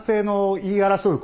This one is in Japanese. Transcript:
言い争う声？